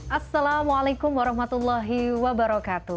assalamualaikum warahmatullahi wabarakatuh